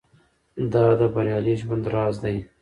دا د بریالي ژوند راز دی.